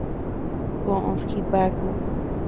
Koʼöd jibaku.